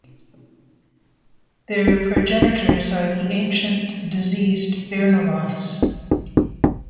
Their progenitors are the ancient, diseased baernaloths.